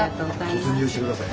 突入して下さい。